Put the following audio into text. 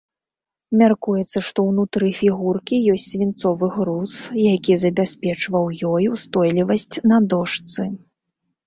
Мяркуецца, што ўнутры фігуркі ёсць свінцовы груз, які забяспечваў ёй ўстойлівасць на дошцы.